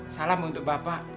salam untuk bapak